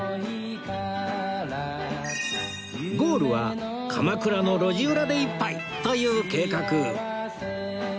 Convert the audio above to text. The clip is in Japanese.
ゴールは鎌倉の路地裏で一杯という計画